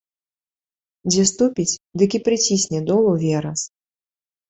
Дзе ступіць, дык і прыцісне долу верас.